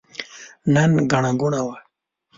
نن ګڼه ګوڼه ده.